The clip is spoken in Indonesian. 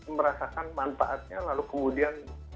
merasakan manfaatnya lalu kemudian